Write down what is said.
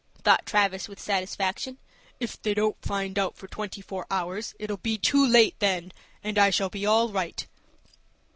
thought Travis, with satisfaction. "If they don't find out for twenty four hours, it'll be too late, then, and I shall be all right."